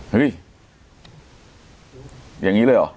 เฮ้ยอย่างนี้เลยเหรอ